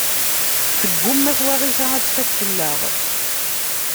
Tgumma twaɣit-a ad tfak fell-aɣ.